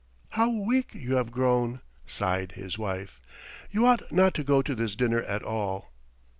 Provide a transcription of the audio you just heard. "How weak you have grown!" sighed his wife. "You ought not to go to this dinner at all."